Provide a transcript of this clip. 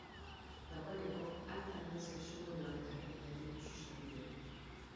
Dagoeneko, alta eman zaizu gune horretan, eta hemen duzu sarbidea.